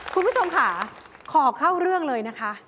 คุณผู้ชมค่ะขอเข้าเรื่องเลยนะคะ